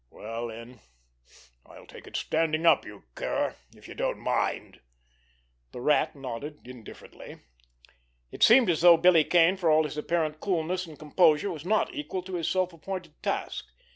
"Well, then, I'll take it standing up, you cur, if you don't mind." The Rat nodded indifferently. It seemed as though Billy Kane, for all his apparent coolness and composure, was not equal to his self appointed task.